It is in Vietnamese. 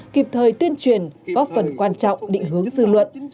kịp thời tuyên truyền góp phần quan trọng định hướng dư luận